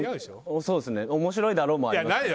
面白いだろうもありますね。